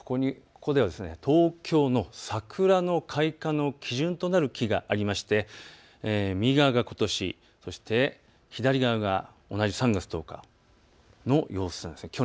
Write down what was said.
ここでは東京の桜の開花の基準となる木がありまして右側がことし、そして左側が同じ３月１０日の様子なんです。